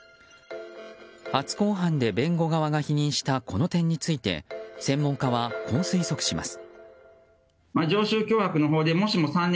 初公判で弁護側が否認したこの点について専門家は、こう推測します。